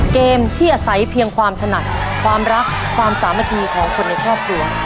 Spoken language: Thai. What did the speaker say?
เกมที่อาศัยเพียงความถนัดความรักความสามัคคีของคนในครอบครัว